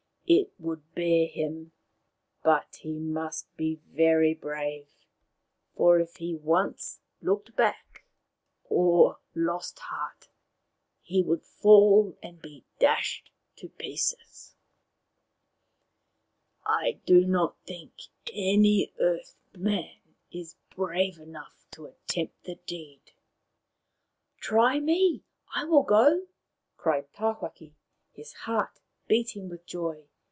" It would bear him, but he must be very brave, for if he once a CI cc a a 38 Maoriland Fairy Tales looked back or lost heart he would fall and be dashed to pieces. I do not think any Earth man is brave enough to attempt the deed." " Try me. I will go !" cried Tawhaki, his heart beating with joy.